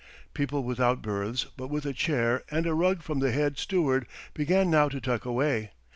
People without berths, but with a chair and a rug from the head steward, began now to tuck away.